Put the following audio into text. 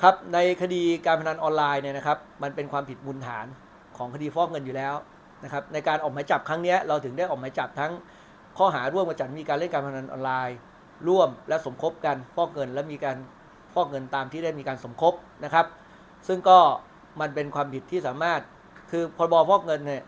ครับในคดีการพนันออนไลน์เนี่ยนะครับมันเป็นความผิดบุญฐานของคดีฟอกเงินอยู่แล้วนะครับในการออกหมายจับครั้งเนี้ยเราถึงได้ออกหมายจับทั้งข้อหาร่วมกับจัดมีการเล่นการพนันออนไลน์ร่วมและสมคบกันฟอกเงินและมีการฟอกเงินตามที่ได้มีการสมคบนะครับซึ่งก็มันเป็นความผิดที่สามารถคือพรบฟอกเงินเนี่ย